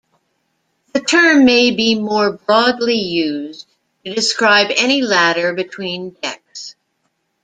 The term may be more broadly used to describe any ladder between decks.